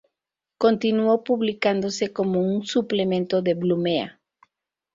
Continuó publicándose como un suplemento de "Blumea".